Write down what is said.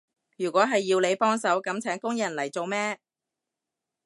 如果係要你幫手，噉請工人嚟做咩？